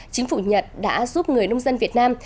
chính phủ nhật đã giúp người nông dân việt nam